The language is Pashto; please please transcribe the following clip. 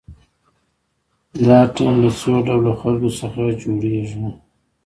دا ټیم له څو ډوله خلکو څخه جوړیږي.